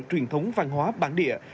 truyền thống văn hóa bản địa